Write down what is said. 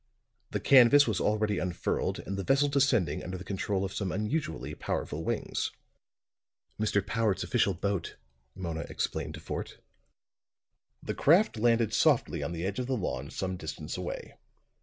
The canvas was already unfurled and the vessel descending under the control of some unusually powerful wings. "Mr. Powart's official boat," Mona explained to Fort. The craft landed softly on the edge of the lawn, some distance away.